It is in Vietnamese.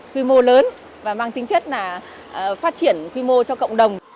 quy mô lớn và mang tính chất là phát triển quy mô cho cộng đồng